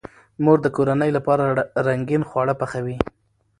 مور د کورنۍ لپاره رنګین خواړه پخوي.